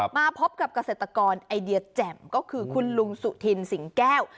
มาพบกับเกษตรกรไอเดียแจ่มก็คือคุณลุงสุธินสิงแก้ว